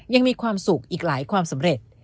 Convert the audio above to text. ยังมีความสุขอีกหลายความสำเร็จ